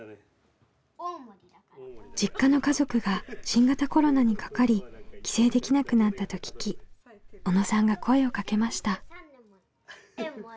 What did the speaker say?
実家の家族が新型コロナにかかり帰省できなくなったと聞き小野さんが声をかけました。